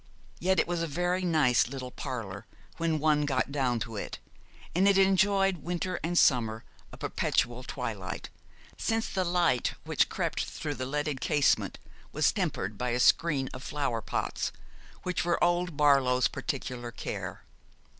Yet it was a very nice little parlour when one got down to it, and it enjoyed winter and summer a perpetual twilight, since the light that crept through the leaded casement was tempered by a screen of flowerpots, which were old Barlow's particular care.